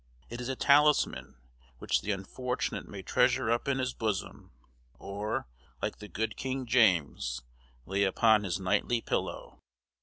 It is a talisman, which the unfortunate may treasure up in his bosom, or, like the good King James, lay upon his nightly pillow.